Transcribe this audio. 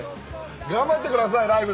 頑張って下さいライブ